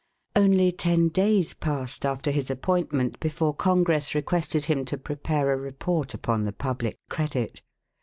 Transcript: Only ten days passed after his appointment before Congress requested him to prepare a report upon the public credit.